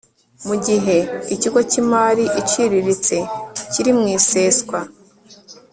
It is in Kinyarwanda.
mu gihe ikigo cy imari iciriritse kiri mu iseswa